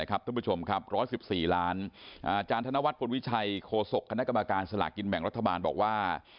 อาจารย์ธนวัตรบนวิชัยโฆษกคณะกรรมการสลากินแบ่งรัฐบาลบอกว่า